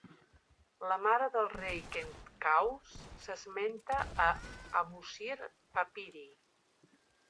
La mare del rei Khentkaus s'esmenta a "Abusir Papyri".